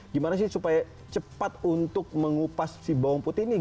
gimana sih supaya cepat untuk mengupas si bawang putih ini